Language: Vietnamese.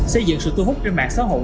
xây dựng sự thu hút trên mạng xã hội